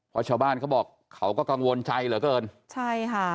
เพราะชาวบ้านเขาบอกเขาก็กังวลใจเหลือเกินใช่ค่ะ